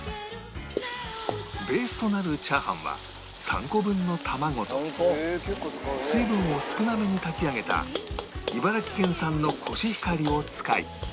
ベースとなるチャーハンは３個分の卵と水分を少なめに炊き上げた茨城県産のコシヒカリを使い